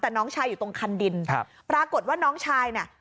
แต่น้องชายอยู่ตรงคันดินครับปรากฏว่าน้องชายเนี่ย